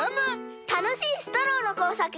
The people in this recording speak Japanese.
たのしいストローのこうさくができたら。